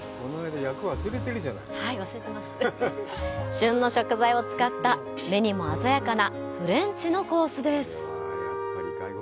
旬の食材を使った目にも鮮やかなフレンチのコースです。